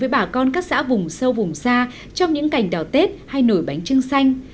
không chỉ đến với bà con các xã vùng sâu vùng xa trong những cảnh đào tết hay nổi bánh trưng xanh